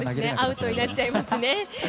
アウトになっちゃいますね。